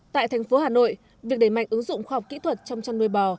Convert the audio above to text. tại thành phố hà nội việc đẩy mạnh ứng dụng khoa học kỹ thuật trong chăn nuôi bò